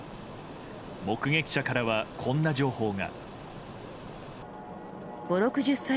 目撃者からは、こんな情報が。